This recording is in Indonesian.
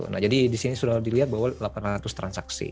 nah jadi disini sudah dilihat bahwa delapan ratus transaksi